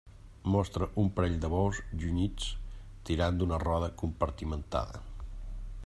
Mostra un parell de bous junyits tirant d'una roda compartimentada.